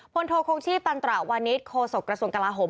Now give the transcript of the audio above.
พลโทษคงชี้ปันตระวัลเนทโคศกระทักษมศ์กาลาหอม